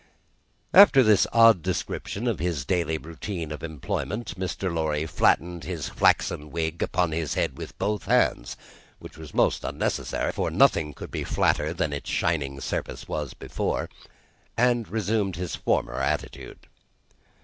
After this odd description of his daily routine of employment, Mr. Lorry flattened his flaxen wig upon his head with both hands (which was most unnecessary, for nothing could be flatter than its shining surface was before), and resumed his former attitude.